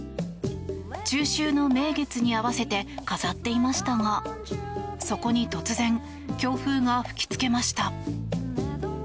中秋の名月に合わせて飾っていましたがそこに突然強風が吹きつけました。